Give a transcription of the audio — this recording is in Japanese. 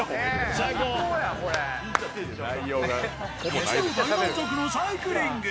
一同、大満足のサイクリング。